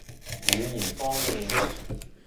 語言方面